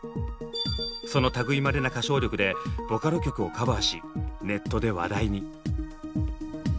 その類いまれな歌唱力でボカロ曲をカバーしネットで話題に。